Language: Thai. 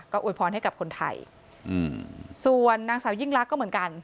อวยพรให้กับคนไทยอืมส่วนนางสาวยิ่งลักษณ์ก็เหมือนกัน